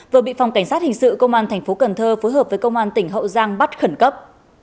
và bị phòng cảnh sát hình sự công an tp cần thơ phối hợp với công an tỉnh hậu giang bắt khẩn cấp